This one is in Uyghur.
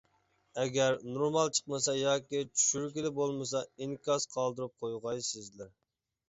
ئەگەر نورمال چىقمىسا ياكى چۈشۈرگىلى بولمىسا ئىنكاس قالدۇرۇپ قويغايسىزلەر.